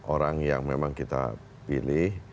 orang yang memang kita pilih